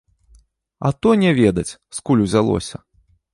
А то не ведаць, скуль узялося?